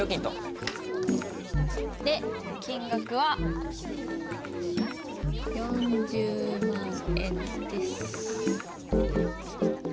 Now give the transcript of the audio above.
金額は４０万円です。